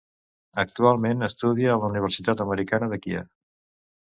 Actualment estudia a la Universitat Americana de Kíev.